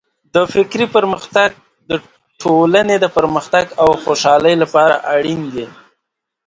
د فکري پرمختګ د ټولنې د پرمختګ او خوشحالۍ لپاره اړین دی.